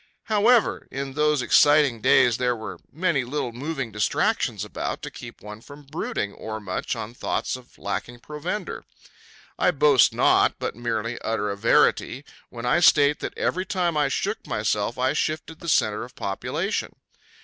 However, in those exciting days there were many little moving distractions about to keep one from brooding o'ermuch on thoughts of lacking provender. I boast not, but merely utter a verity, when I state that every time I shook myself I shifted the center of population.